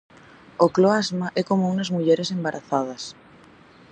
O cloasma é común nas mulleres embarazadas.